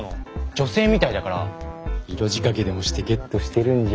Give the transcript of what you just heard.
女性みたいだから色仕掛けでもしてゲットしてるんじゃ。